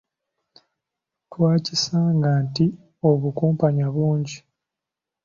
Twakisanga nti obukumpanya bungi.